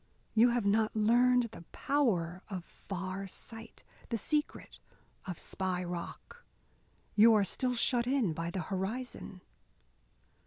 You have not learned the power of far sight, the secret of Spy Rock. You are still shut in by the horizon."